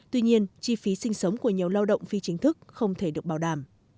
tuy nhiên chi phí sinh sống của nhiều lao động phi chính thức không thể được bảo đảm